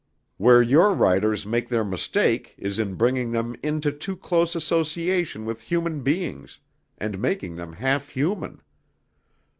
Where your writers make their mistake is in bringing them into too close association with human beings, and making them half human.